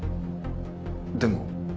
でも。